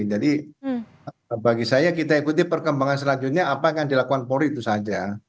jadi bagi saya kita ikuti perkembangan selanjutnya apa yang dilakukan polri itu saja